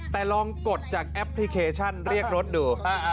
แต่ลองกดจากแอปพลิเคชันเรียกรถดู